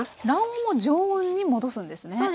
卵黄も常温に戻すんですね。